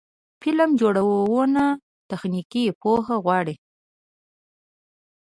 فلم جوړونه تخنیکي پوهه غواړي.